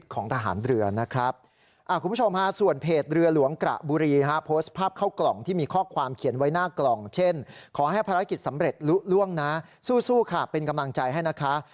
ขอให้ภารกิจสำเร็จลุ๊ะล่วงนะสู้ค่ะเป็นกำลังใจให้นะคะ